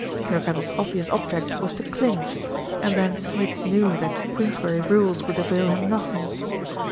Thirkettle's obvious object was to clinch, and then Smith knew that Queensberry rules would avail him nothing.